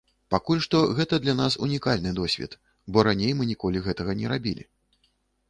Пакуль што гэта для нас унікальны досвед, бо раней мы ніколі гэтага не рабілі.